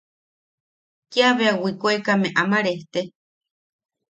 Kia bea wikoʼeka ama rejte.